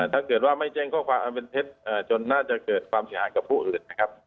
ถ้าเกิดว่าไม่แจ้งข้อความอันเป็นเท็จจนน่าจะเกิดความเสียหายกับผู้อื่นนะครับ